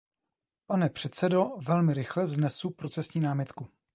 Pane předsedo, velmi rychle vznesu procesní námitku.